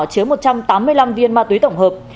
chứa một trăm tám mươi năm viên ma túy tổng hợp